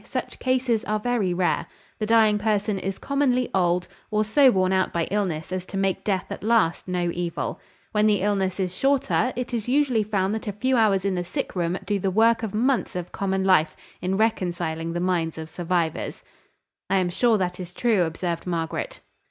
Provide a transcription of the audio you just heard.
Such cases are very rare. The dying person is commonly old, or so worn out by illness as to make death at last no evil. When the illness is shorter, it is usually found that a few hours in the sick room do the work of months of common life, in reconciling the minds of survivors." "I am sure that is true," observed Margaret.